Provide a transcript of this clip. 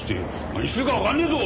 何するかわかんねえぞ！